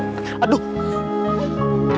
kita akan mencari penumpang yang lebih baik